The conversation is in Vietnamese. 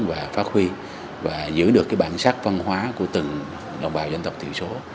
và phát huy và giữ được bản sắc văn hóa của từng đồng bào dân tộc thiểu số